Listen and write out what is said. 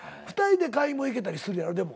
２人で買いもん行けたりするやろ？